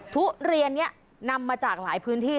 ทุเรียนนี้นำมาจากหลายพื้นที่